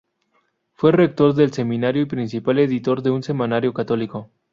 Fue rector del seminario y principal editor de un semanario católico.